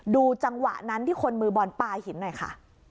ดูจังหวะนั้นที่คนมือบอลปลาหินหน่อยค่ะ